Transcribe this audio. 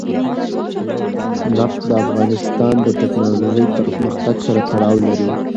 نفت د افغانستان د تکنالوژۍ پرمختګ سره تړاو لري.